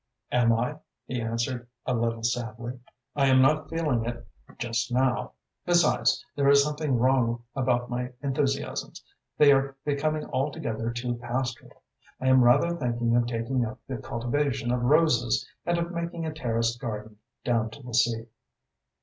"Am I?" he answered, a little sadly. "I am not feeling it just now. Besides, there is something wrong about my enthusiasms. They are becoming altogether too pastoral. I am rather thinking of taking up the cultivation of roses and of making a terraced garden down to the sea.